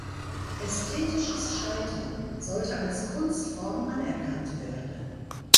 Ästhetisches Scheitern sollte als Kunstform anerkannt werden.